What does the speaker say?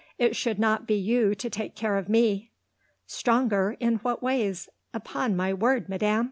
It should not be you to take care of me." "Stronger? In what ways? Upon my word, Madam!"